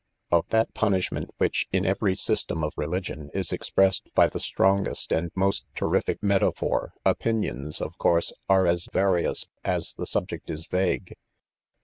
Of that punishment which, In every system of religion^ is' expressed by the storages! &n£most terrific metaphor, •* PREFACE. XIX ©pinions., of course, are as various as the subject is vague.